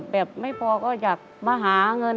แบบไม่พอก็อยากมาหาเงิน